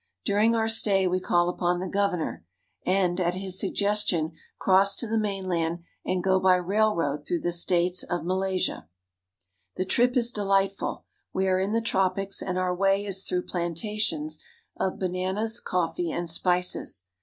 During our stay we call upon the governor, and at his suggestion cross to the mainland and go by railroad through the states of Malaysia. The trip is delightful. We are in the tropics, and our way is through plantations of bananas, coffee, and spices.